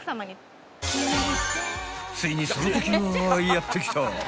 ［ついにその時はやって来た］